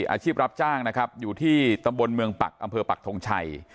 อาชีพรับจ้างนะครับอยู่ที่ตำบลเมืองปักอำเภอปักทงชัย